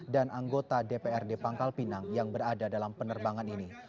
dan anggota dprd pangkal pinang yang berada dalam penerbangan ini